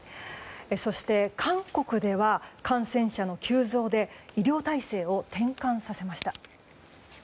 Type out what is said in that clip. そして韓国では感染者の急増で医療体制を転換させました。